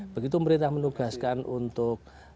begitu pemerintah menugaskan untuk